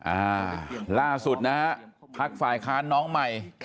อ่าล่าสุดนะฮะพักฝ่ายค้านน้องใหม่